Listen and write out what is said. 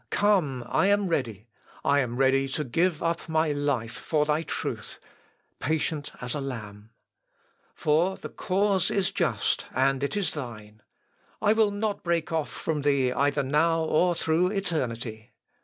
come! I am ready!... I am ready to give up my life for thy truth ... patient as a lamb. For the cause is just, and it is thine!... I will not break off from thee either now or through eternity!...